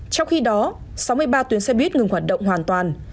trong khi đó sáu mươi ba tuyến xe buýt ngừng hoạt động hoàn toàn